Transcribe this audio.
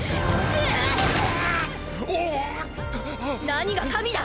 何が神だ！！